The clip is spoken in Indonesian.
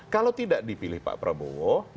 kalau tidak dipilih pak prabowo